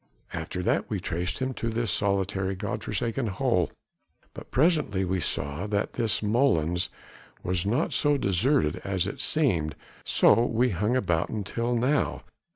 "After that we traced him to this solitary God forsaken hole, but presently we saw that this molens was not so deserted as it seemed, so we hung about until now